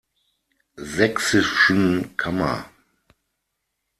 Sächsischen Kammer.